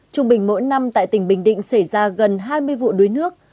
trung bình mỗi năm tại tỉnh bình định xảy ra gần hai mươi vụ đuối nước